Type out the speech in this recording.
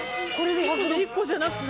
１個じゃなくて大丈夫？